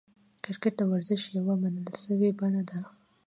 کرکټ د ورزش یوه منل سوې بڼه ده.